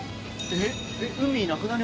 えっ？